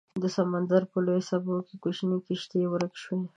د سمندر په لویو څپو کې کوچنۍ کیشتي ورکه شوه